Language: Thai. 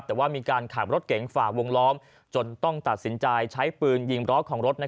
แต่ว่ามีการขับรถเก๋งฝ่าวงล้อมจนต้องตัดสินใจใช้ปืนยิงล้อของรถ